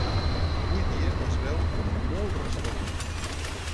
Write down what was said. Avui dia es veu molt restaurat.